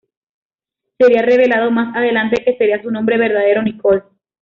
Sería revelado más adelante que sería su nombre verdadero Nicole.